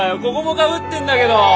ここもかぶってんだけど。